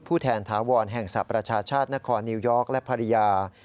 แทนถาวรแห่งสหประชาชาตินครนิวยอร์กและภรรยา